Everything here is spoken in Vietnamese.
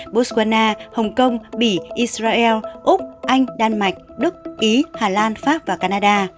botswana hồng kông bỉ israel úc anh đan mạch đức ý hà lan pháp và canada